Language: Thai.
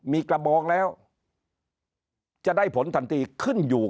มีกระบองแล้วจะได้ผลทันทีขึ้นอยู่